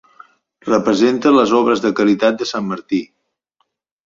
Representa les obres de caritat de Sant Martí.